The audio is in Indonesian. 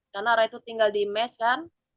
karena rai tuh tinggal di mes kan